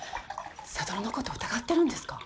悟のこと疑ってるんですか？